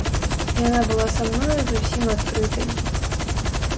Яна была са мною зусім адкрытай.